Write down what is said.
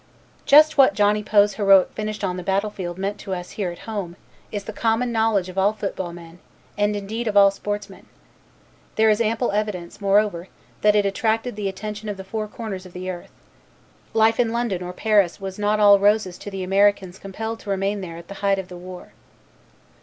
Just what Johnny Poe's heroic finish on the battle field meant to us here at home is the common knowledge of all football men and indeed of all sportsmen. There is ample evidence, moreover, that it attracted the attention of the four corners of the earth. Life in London or Paris was not all roses to the Americans compelled to remain there at the height of the war.